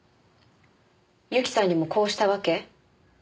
ユキさんにもこうしたわけ？